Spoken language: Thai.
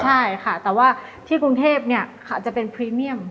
ใช่ค่ะแต่ว่าที่กรุงเทพอาจจะเป็นพรีเมียม